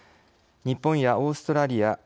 日本やオーストラリア